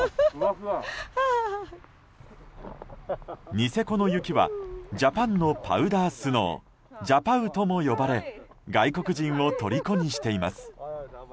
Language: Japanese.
ニセコの雪はジャパンのパウダースノージャパウとも呼ばれ外国人をとりこにしています。